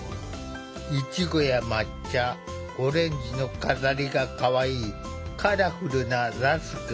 イチゴや抹茶オレンジの飾りがかわいいカラフルなラスク。